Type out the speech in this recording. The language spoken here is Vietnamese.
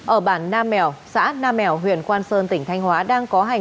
ở bản nam mèo xã nam mèo huyện quan sơn tỉnh thanh hóa đang có hai đối tượng